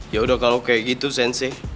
yaudah kalau kayak gitu sense